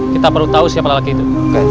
kita perlu tahu siapa lagi itu